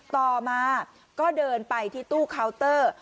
ต่อมาก็เดินไปที่ตู้เคาน์เตอร์